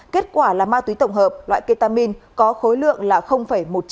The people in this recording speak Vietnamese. kết quả là ma túy tổng hợp loại ketamin có khối lượng một trăm ba mươi tám g